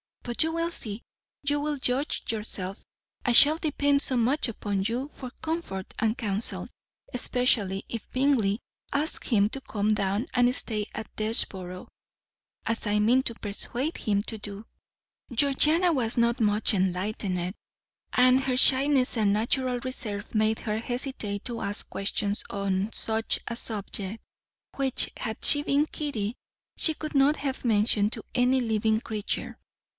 But you will see you will judge for yourself; I shall depend so much upon you for comfort and counsel, especially if Bingley asks him to come down and stay at Desborough, as I mean to persuade him to do." Georgiana was not much enlightened, and her shyness and natural reserve made her hesitate to ask questions on such a subject, which, had she been Kitty, she could not have mentioned to any living creature.